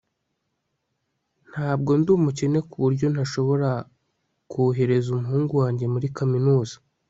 Ntabwo ndi umukene kuburyo ntashobora kohereza umuhungu wanjye muri kaminuza